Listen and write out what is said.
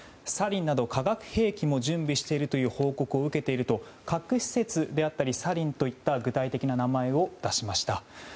サリンなど化学兵器も準備しているという報告を受けていると核施設であったりサリンといった具体的な名前を出しました。